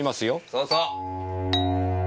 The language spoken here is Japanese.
そうそう。